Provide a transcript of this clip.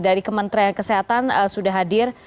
dari kementerian kesehatan sudah hadir